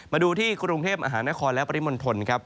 มาดูที่กรุงเทพมหานครและปริมณฑลครับ